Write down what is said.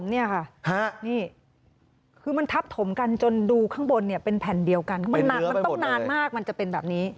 นี่ค่ะคือมันทับถมกันจนดูข้างบนเป็นแผ่นเดียวกันมันต้องนานมากมันจะเป็นแบบนี้